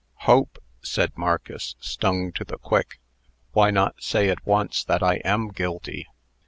"Hope?" said Marcus, stung to the quick. "Why not say at once that I am guilty?